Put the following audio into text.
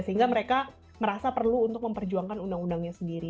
sehingga mereka merasa perlu untuk memperjuangkan undang undangnya sendiri